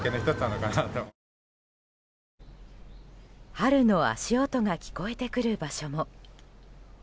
春の足音が聞こえてくる場所も。